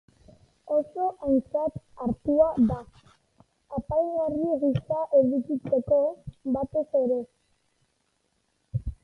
Oso aintzat hartua da, apaingarri gisa edukitzeko, batez ere.